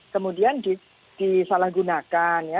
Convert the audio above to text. kemudian disalahgunakan ya